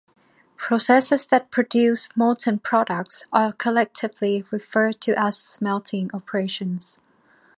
Processes that produce molten products are collectively referred to as smelting operations.